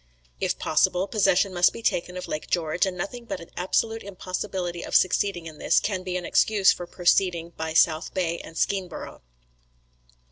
"If possible, possession must be taken of Lake George, and nothing but an absolute impossibility of succeeding in this, can be an excuse for proceeding by South Bay and Skeenborough.